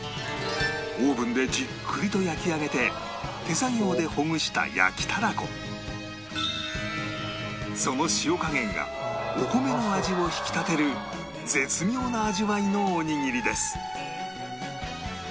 オーブンでじっくりと焼き上げて手作業でほぐしたその塩加減がお米の味を引き立てる絶妙な味わいのおにぎりです